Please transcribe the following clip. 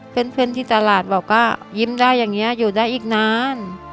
เพื่อนที่ตลาดบอกว่ายิ้มได้อย่างนี้อยู่ได้อีกนาน